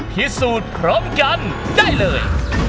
พิสูจน์พร้อมกันได้เลย